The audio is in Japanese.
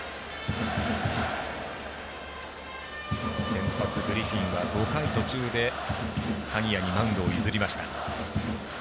先発、グリフィンは５回途中で鍵谷にマウンドを譲りました。